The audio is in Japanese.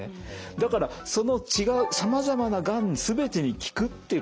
だからその違うさまざまながん全てに効くっていうことはありえない話。